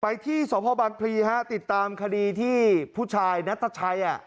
ที่สพบังพลีฮะติดตามคดีที่ผู้ชายนัทชัย